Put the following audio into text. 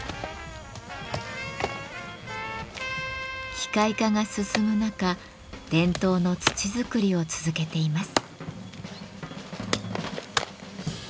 機械化が進む中伝統の土作りを続けています。